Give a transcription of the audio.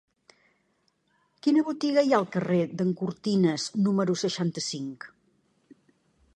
Quina botiga hi ha al carrer d'en Cortines número seixanta-cinc?